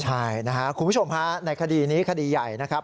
ใช่นะครับคุณผู้ชมฮะในคดีนี้คดีใหญ่นะครับ